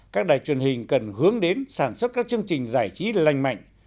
các đài truyền hình cần hướng đến sản xuất các chương trình giải trí lành mạnh